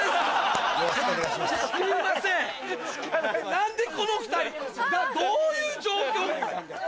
何でこの２人どういう状況？